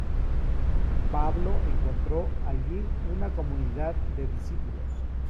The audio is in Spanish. Pablo encontró allí una comunidad de discípulos.